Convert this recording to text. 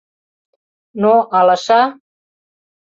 — Но, алаша!..